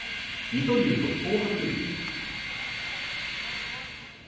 水戸龍と東白龍。